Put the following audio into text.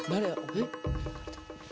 えっ？